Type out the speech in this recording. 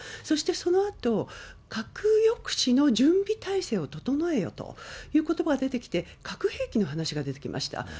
そして、そのあと核抑止の準備態勢を整えよということばが出てきて、核兵器の話が出てきました。